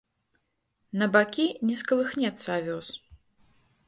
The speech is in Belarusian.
На бакі не скалыхнецца авёс.